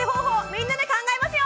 みんなで考えますよ！